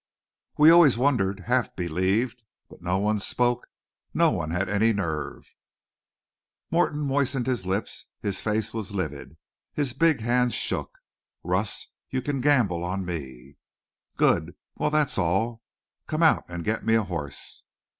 We always wondered half believed. But no one spoke no one had any nerve." Morton moistened his lips; his face was livid; his big hands shook. "Russ, you can gamble on me." "Good. Well, that's all. Come out and get me a horse."